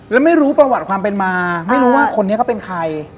แล้วไม่รู้ประวัติความเป็นมาไม่รู้ว่าคนนี้เขาเป็นใคร